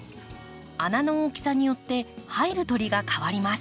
穴の大きさによって入る鳥が変わります。